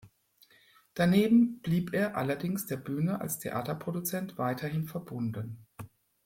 Daneben blieb er allerdings der Bühne als Theaterproduzent weiterhin verbunden.